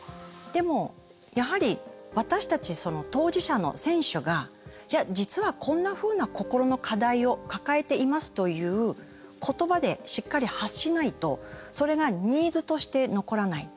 でも、やはり私たち当事者の選手が実はこんなふうな心の課題を抱えていますということばでしっかり発しないとそれがニーズとして残らない。